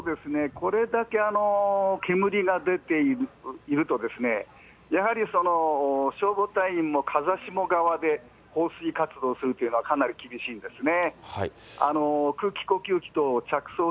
これだけ煙が出ていると、やはり消防隊員も風下側で放水活動するというのはかなり厳しいですね。